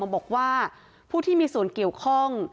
ว่าผู้ที่เป็นที่มีส่วนเกี่ยวข้อง